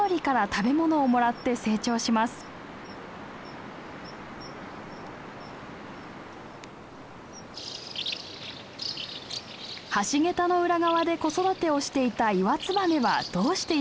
橋桁の裏側で子育てをしていたイワツバメはどうしているでしょうか？